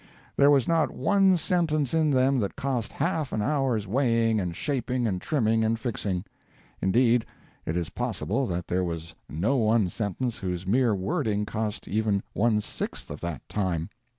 There was not one sentence in them that cost half an hour's weighing and shaping and trimming and fixing. Indeed, it is possible that there was no one sentence whose mere wording cost even one sixth of that time.